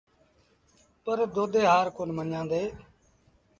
پر دودي هآر ڪونا مڃيآندي۔